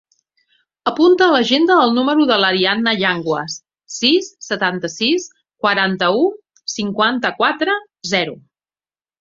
Apunta a l'agenda el número de l'Ariadna Yanguas: sis, setanta-sis, quaranta-u, cinquanta-quatre, zero.